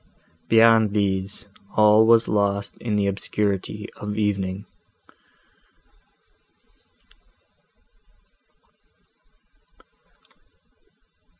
—Beyond these all was lost in the obscurity of evening.